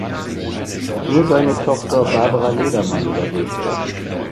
Nur seine Tochter Barbara Ledermann überlebte.